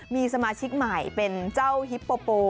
มีสมาชิกใหม่เป็นเจ้าฮิปโปโป